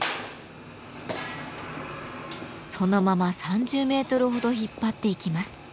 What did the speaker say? そのまま３０メートルほど引っ張っていきます。